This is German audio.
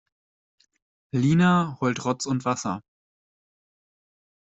Lina heult Rotz und Wasser.